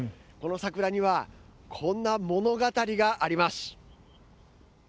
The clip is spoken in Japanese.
この桜にはこんな物語があります。